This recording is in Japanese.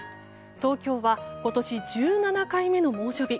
東京は今年１７回目の猛暑日。